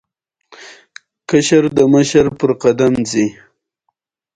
ازادي راډیو د اقلیتونه په اړه رښتیني معلومات شریک کړي.